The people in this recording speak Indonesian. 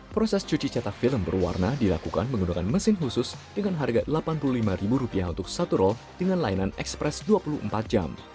proses cuci cetak film berwarna dilakukan menggunakan mesin khusus dengan harga rp delapan puluh lima untuk satu roll dengan layanan ekspres dua puluh empat jam